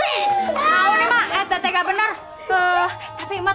ini belum waktunya mandi bas